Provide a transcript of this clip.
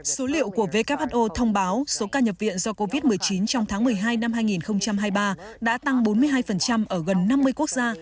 số liệu của who thông báo số ca nhập viện do covid một mươi chín trong tháng một mươi hai năm hai nghìn hai mươi ba đã tăng bốn mươi hai ở gần năm mươi quốc gia